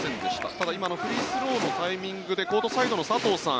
ただ、今のフリースローのタイミングでコートサイドの佐藤さん